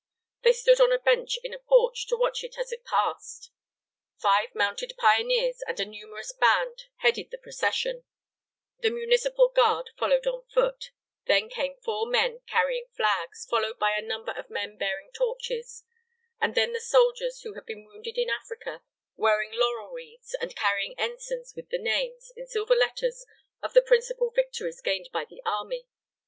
They stood on a bench in a porch to watch it as it passed. Five mounted pioneers and a numerous band headed the procession; the municipal guard followed on foot; then came four men carrying flags, followed by a number of men bearing torches; and then the soldiers who had been wounded in Africa, wearing laurel wreaths and carrying ensigns with the names, in silver letters, of the principal victories gained by the army.